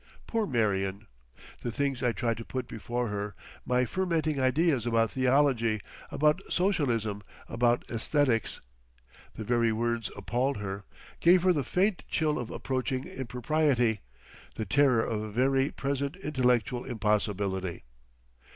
Poor Marion! The things I tried to put before her, my fermenting ideas about theology, about Socialism, about aesthetics—the very words appalled her, gave her the faint chill of approaching impropriety, the terror of a very present intellectual impossibility.